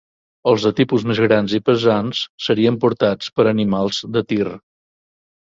Els de tipus més grans i pesants serien portats per animals de tir.